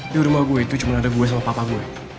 di rumah gue itu cuma ada gue sama papa gue